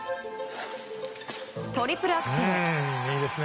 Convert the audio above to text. トリプルアクセル。